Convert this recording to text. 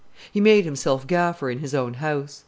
He made himself gaffer in his own house.